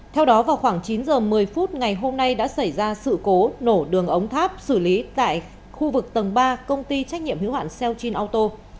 theo đó vào khoảng chín h một mươi phút ngày hôm nay đã xảy ra sự cố nổ đường ống tháp xử lý tại khu vực tầng ba công ty trách nhiệm hữu hạn seochin auto